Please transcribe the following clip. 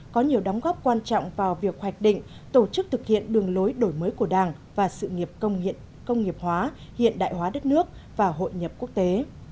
có nhiều đóng góp quan trọng vào việc hoạch định tổ chức thực hiện đường lối đổi mới của đảng và sự nghiệp công nghiệp hóa hiện đại hóa đất nước và hội nhập quốc tế